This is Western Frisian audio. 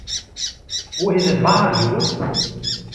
Hoe is it waar hjoed?